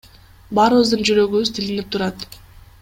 Баарыбыздын жүрөгүбүз тилинип турат.